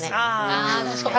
あ確かに。